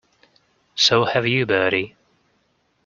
So have you, Bertie.